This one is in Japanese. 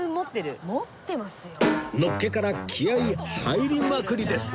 のっけから気合入りまくりです